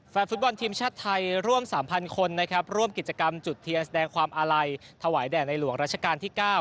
ฟุตบอลทีมชาติไทยร่วม๓๐๐คนนะครับร่วมกิจกรรมจุดเทียนแสดงความอาลัยถวายแด่ในหลวงราชการที่๙